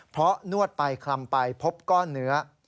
เพราะนวดไปคลำไปพบก้อนเนื้อ